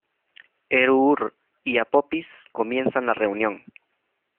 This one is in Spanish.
Heru’ur y Apophis comienzan la reunión.